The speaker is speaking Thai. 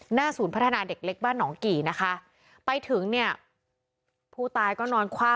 ศูนย์พัฒนาเด็กเล็กบ้านหนองกี่นะคะไปถึงเนี่ยผู้ตายก็นอนคว่ำ